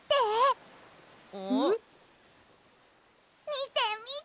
みてみて！